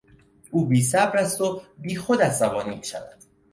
او بیصبر است و بیخود عصبانی میشود.